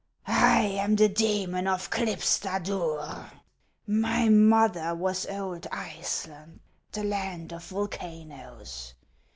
I am the demon of Klipstadur. My mother was old Iceland, the land of volcanoes.